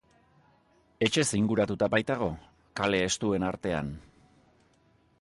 Etxez inguratuta baitago, kale estuen artean.